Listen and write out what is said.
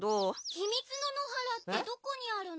ひみつの野原ってどこにあるの？